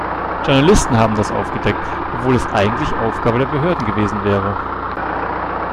Journalisten haben das aufgedeckt, obwohl es eigentlich Aufgabe der Behörden gewesen wäre.